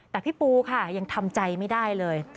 แต่พี่ปูค่ะยังทำใจไม่ได้เลย